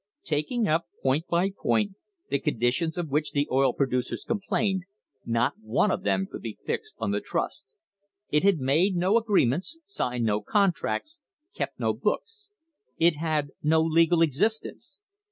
Taking up, point by point, the conditions of which the oil producers complained, not one of them could be fixed on the trust. It had made no agree ments, signed no contracts, kept no books. It had no legal existence.